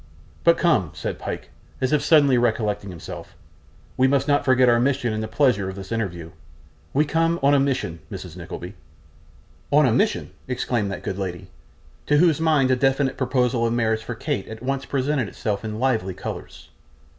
'But come,' said Pyke, as if suddenly recollecting himself; 'we must not forget our mission in the pleasure of this interview. We come on a mission, Mrs. Nickleby.' 'On a mission,' exclaimed that good lady, to whose mind a definite proposal of marriage for Kate at once presented itself in lively colours.